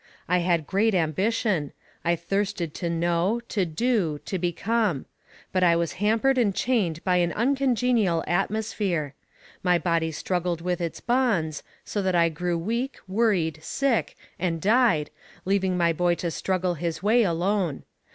I had great ambition I thirsted to know, to do, to become. But I was hampered and chained in an uncongenial atmosphere. My body struggled with its bonds, so that I grew weak, worried, sick, and died, leaving my boy to struggle his way alone.